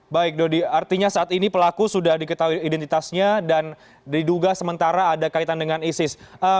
baik dodi artinya saat ini pelaku sudah diketahui identitasnya dan diduga sementara ada kaitan dengan isis